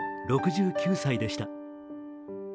６９歳でした。